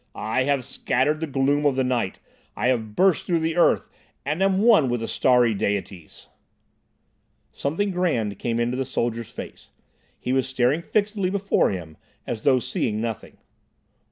"I have scattered the gloom of the night. I have burst through the earth, and am one with the starry Deities!" Something grand came into the soldier's face. He was staring fixedly before him, as though seeing nothing.